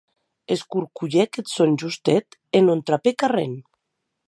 Escorcolhèc eth sòn justet e non trapèc arren.